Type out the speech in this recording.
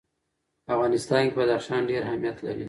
په افغانستان کې بدخشان ډېر اهمیت لري.